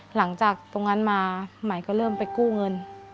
หลังจากนั้นมาใหม่ก็เริ่มไปกู้เงิน